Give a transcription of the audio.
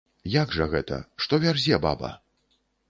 Як жа гэта, што вярзе баба?